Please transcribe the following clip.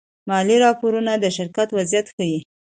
مالي راپورونه د شرکت وضعیت ښيي.